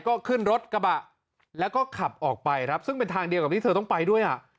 ก็ขึ้นรถกระบะแล้วก็ขับออกไปครับซึ่งเป็นทางเดียวกับที่เธอต้องไปด้วยอ่ะ